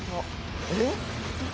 えっ！